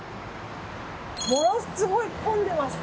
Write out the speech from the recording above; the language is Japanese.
ものすごい混んでます。